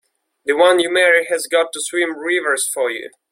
The one you marry has got to swim rivers for you!